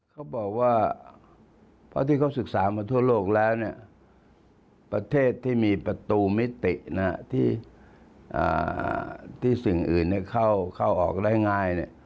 เขาบอกว่าเพราะที่เขาศึกษามาทั่วโลกแล้วประเทศที่มีประตูมิติที่สิ่งอื่นเข้าออกได้ง่าย